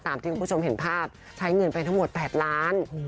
ที่คุณผู้ชมเห็นภาพใช้เงินไปทั้งหมด๘ล้าน